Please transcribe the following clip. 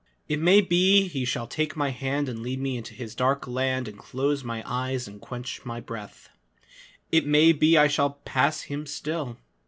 It may be he shall take my hand And lead me into his dark land And close my eyes and quench my breath It may be I shall pass him still.